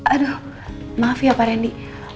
aduh maaf ya pak randy